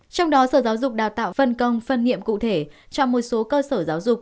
trong đó sở giáo dục đào tạo phân công phân nhiệm cụ thể cho một số cơ sở giáo dục